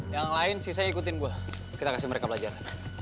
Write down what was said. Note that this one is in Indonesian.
yang lain sisanya ikutin gue kita kasih mereka belajar